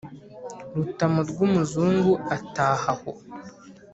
Rutamu rw'umuzungu ataha aho.